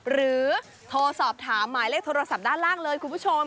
โทรสอบถามหมายเลขโทรศัพท์ด้านล่างเลยคุณผู้ชม